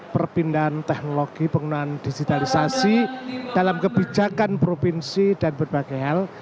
perpindahan teknologi penggunaan digitalisasi dalam kebijakan provinsi dan berbagai hal